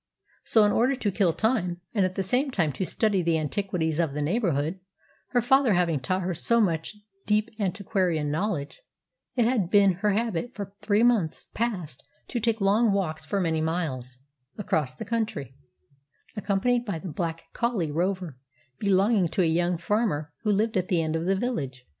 So, in order to kill time, and at the same time to study the antiquities of the neighbourhood her father having taught her so much deep antiquarian knowledge it had been her habit for three months past to take long walks for many miles across the country, accompanied by the black collie Rover belonging to a young farmer who lived at the end of the village.